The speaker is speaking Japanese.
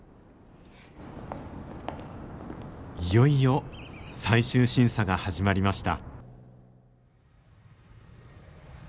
いよいよ最終審査が始まりました。